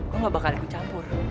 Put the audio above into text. lo gak bakal ikut campur